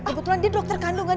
kebetulan dia dokter kandungan